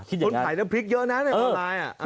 คุณขายน้ำพริกเยอะนะในบรรลายอ่ะเออ